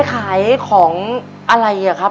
ของที่มันได้มาเนี่ยนะครับของที่มันได้มาเนี่ยนะครับ